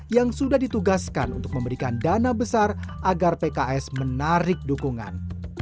yang sudah ditugaskan untuk memberikan dana besar agar pks menarik dukungan